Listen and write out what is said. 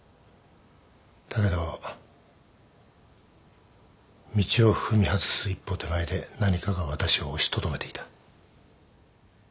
だけど道を踏み外す一歩手前で何かが私を押しとどめていた。